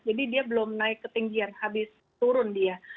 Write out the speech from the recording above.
jadi dia belum naik ketinggian habis turun dia